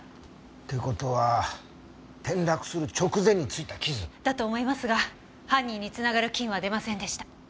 って事は転落する直前についた傷？だと思いますが犯人に繋がる菌は出ませんでした。